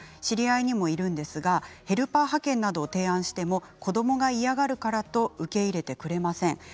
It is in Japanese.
知り合いにもいるんですがヘルパー派遣などを提案しても子どもが嫌がるからと受け入れてくれません。